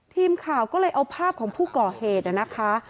ทีมข่าวก็เลยเอาภาพของผู้ก่อเหตุนะคะ